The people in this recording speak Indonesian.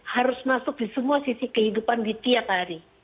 harus masuk di semua sisi kehidupan di tiap hari